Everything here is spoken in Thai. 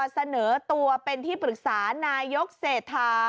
เสนอตัวเป็นที่ปรึกษานายกเศรษฐา